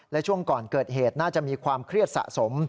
และช่วงก่อนเกิดเหตุน่าจะมีความเครียดสะสม